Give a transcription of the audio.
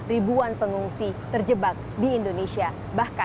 ribuan pengungsi terjebak di indonesia